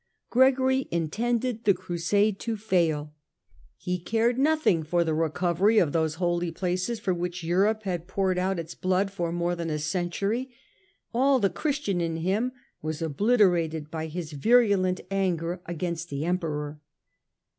Gregory intended the Crusade to fail ; he cared 90 STUPOR MUNDI nothing for the recovery of those Holy Places for vrhich Europe had poured out its blood for more than a century : all the Christian in him was obliterated by his virulent anger against the Emperor.